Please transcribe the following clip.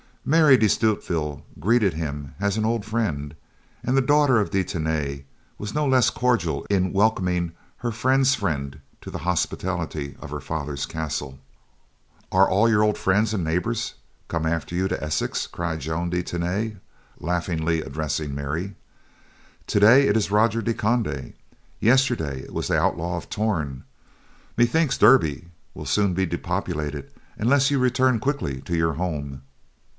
Mary de Stutevill greeted him as an old friend, and the daughter of de Tany was no less cordial in welcoming her friend's friend to the hospitality of her father's castle. "Are all your old friends and neighbors come after you to Essex," cried Joan de Tany, laughingly, addressing Mary. "Today it is Roger de Conde, yesterday it was the Outlaw of Torn. Methinks Derby will soon be depopulated unless you return quickly to your home."